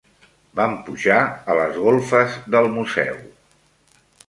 Vam pujar a les golfes del museu.